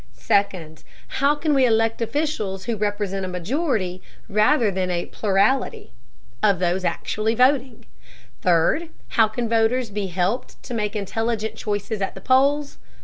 Second, how can we elect officials who represent a majority, rather than a plurality [Footnote: See Section 444.], of those actually voting? Third, how can voters be helped to make intelligent choices at the polls?